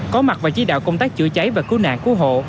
có mặt vào chí đạo công tác chữa cháy và cứu nạn cứu hộ